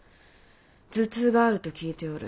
頭痛があると聞いておる。